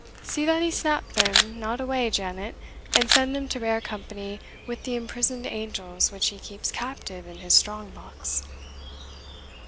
See that he snap them not away, Janet, and send them to bear company with the imprisoned angels which he keeps captive in his strong box."